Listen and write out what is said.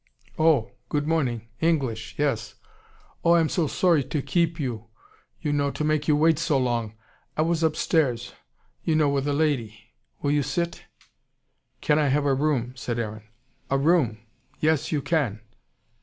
"Oh, good morning! English! Yes! Oh, I am so sorry to keep you, you know, to make you wait so long. I was upstairs, you know, with a lady. Will you sit?" "Can I have a room?" said Aaron. "A room! Yes, you can."